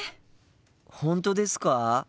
本当ですか？